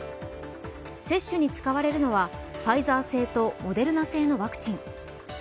接種に使われるのはファイザー製とモデルナ製のワクチン。